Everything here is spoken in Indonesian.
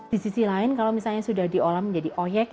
di sisi lain kalau sudah diolam menjadi oyek